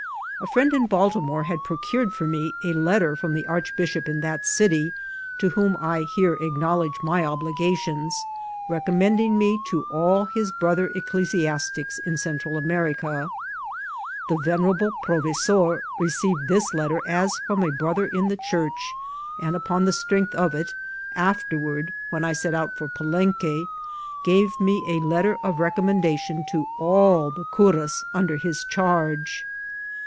A friend in Baltimore had proeured lor me a letter from the archbishop in that eity, to whom I heare acknowledge my obligations, recommend ing me lo all his brother ecclesiastics in Central Amer* ica« The venerable provesor received this letter as from a brother in the Church, and upon the strength of it, afterward, when I set out for Paleiique, gave me a letter of recommendation to all the curas under his charge.